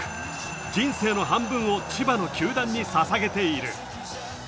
人生の半分を千葉の球団にささげている。